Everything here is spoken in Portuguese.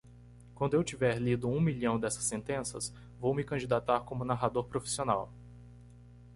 Quando eu tiver lido um milhão dessas sentenças?, vou me candidatar como narrador profissional.